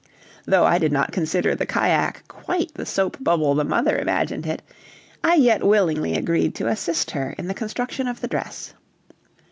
Though I did not consider the cajack quite the soap bubble the mother imagined it, I yet willingly agreed to assist her in the construction of the dress.